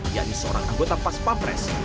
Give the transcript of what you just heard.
yakni seorang anggota pas pampres